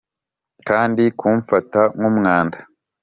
kandi kumfata nk'umwanda.